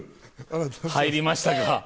入りましたか？